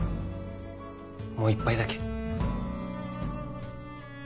もう一杯だけ。